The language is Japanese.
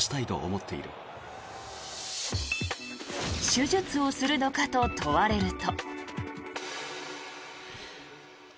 手術をするのかと問われると。